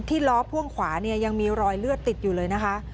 ล้อพ่วงขวาเนี่ยยังมีรอยเลือดติดอยู่เลยนะคะ